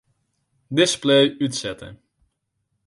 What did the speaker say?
Display útsette.